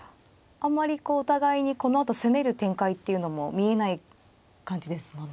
あんまりお互いにこのあと攻める展開っていうのも見えない感じですもんね。